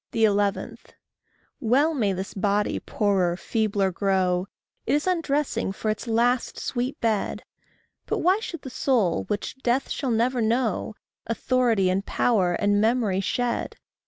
11. Well may this body poorer, feebler grow! It is undressing for its last sweet bed; But why should the soul, which death shall never know, Authority, and power, and memory shed?